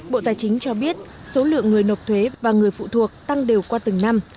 bộ tài chính cho biết số lượng người nộp thuế và người phụ thuộc tăng đều qua từng năm